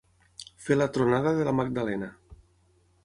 Fer la tronada de la Magdalena.